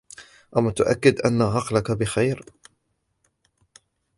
أمتأكد أن عقلك بخير ؟!